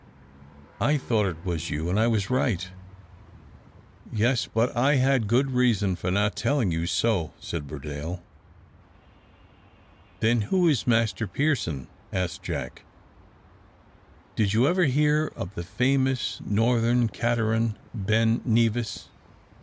"I thought it was you, and I was right." "Yes; but I had good reason for not telling you so," said Burdale. "Then who is Master Pearson?" asked Jack. "Did you ever hear of the famous northern cateran, Ben Nevis?"